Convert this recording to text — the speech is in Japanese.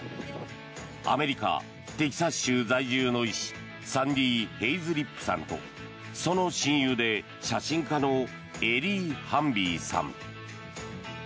アメリカ・テキサス州在住の医師サンディ・ヘイズリップさんとその親友で写真家のエリー・ハンビーさん。